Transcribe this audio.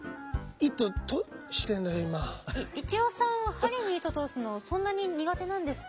一葉さん針に糸通すのそんなに苦手なんですか？